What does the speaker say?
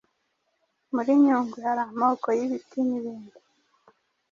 Muri Nyungwe hari amoko y’ibiti n’ibindi